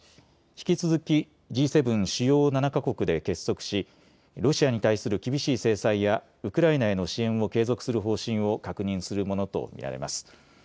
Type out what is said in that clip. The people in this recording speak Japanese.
引き続きＧ７・主要７か国で結束しロシアに対する厳しい制裁やウクライナへの支援を継続する方針を確認するものと見られます。